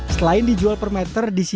selain dijual per meter